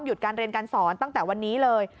การเรียนการสอนตั้งแต่วันนี้เลย